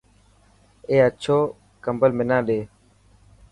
اي اڇو ڪمبل منا ڏي.